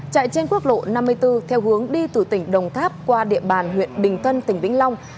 chạy trên quốc lộ năm mươi bốn theo hướng đi từ tỉnh đồng tháp qua địa bàn huyện bình tân tỉnh vĩnh long